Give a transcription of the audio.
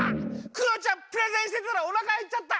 クヨちゃんプレゼンしてたらおなかへっちゃった！